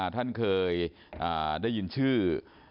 ท่านเคยได้ยินชื่อ